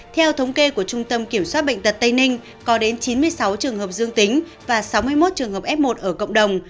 theo thống kê của trung tâm kiểm soát bệnh tật tây ninh có đến chín mươi sáu trường hợp dương tính và sáu mươi một trường hợp f một ở cộng đồng